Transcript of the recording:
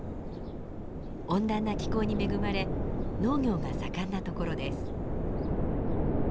温暖な気候に恵まれ農業が盛んな所です。